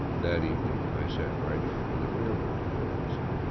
That evening I sat writing in the rail road quarters.